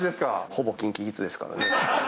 ほぼＫｉｎＫｉＫｉｄｓですからね。